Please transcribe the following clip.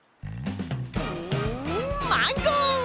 マンゴー！